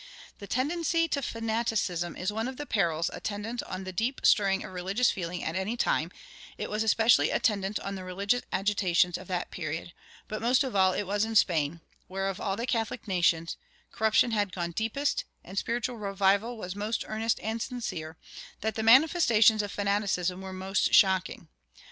The tendency to fanaticism is one of the perils attendant on the deep stirring of religious feeling at any time; it was especially attendant on the religious agitations of that period; but most of all it was in Spain, where, of all the Catholic nations, corruption had gone deepest and spiritual revival was most earnest and sincere, that the manifestations of fanaticism were most shocking.